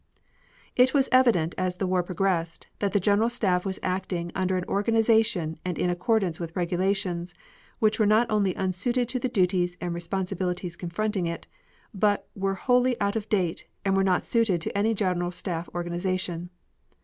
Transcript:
It was evident, as the war progressed, that the General Staff was acting under an organization and in accordance with regulations which were not only unsuited to the duties and responsibilities confronting it, but were wholly out of date and were not suited to any General Staff organization.